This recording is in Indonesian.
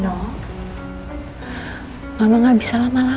gue harus terus mengawasi pergerakan nino dan